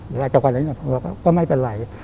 เวลาจากวันนี้ก็ไม่เป็นไร